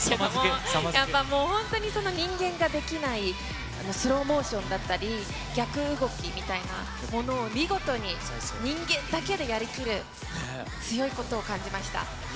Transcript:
やっぱりもう、その人間ができないスローモーションだったり、逆動きみたいなものを見事に、人間だけでやりきる、強いことを感じました。